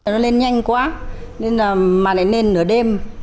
nó lên nhanh quá mà lại lên nửa đêm